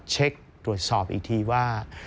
เช็คตรวจสอบอีกทีว่า